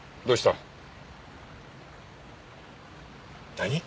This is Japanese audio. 何？